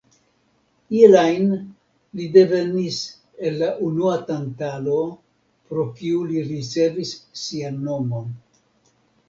Iel ajn, li devenis el la unua Tantalo, pro kiu li ricevis sian nomon.